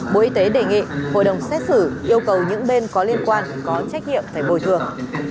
bộ y tế đề nghị hội đồng xét xử yêu cầu những bên có liên quan có trách nhiệm phải bồi thường